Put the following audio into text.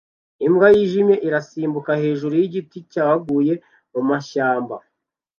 Imbwa yijimye irasimbuka hejuru yigiti cyaguye mumashyamba